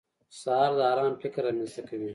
سهار د ارام فکر رامنځته کوي.